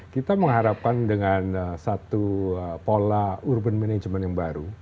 kita mengharapkan dengan satu pola urban management yang baru